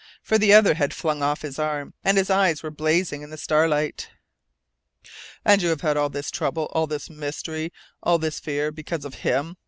For the other had flung off his arm, and his eyes were blazing in the starlight. "And you have had all this trouble, all this mystery, all this fear because of HIM?"